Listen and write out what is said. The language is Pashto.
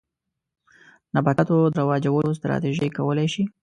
نباتاتو د رواجولو ستراتیژۍ کولای شي.